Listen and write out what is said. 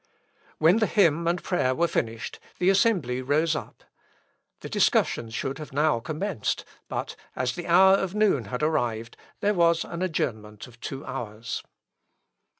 When the hymn and prayer were finished, the assembly rose up. The discussion should have now commenced; but, as the hour of noon had arrived, there was an adjournment of two hours.